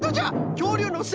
きょうりゅうのせ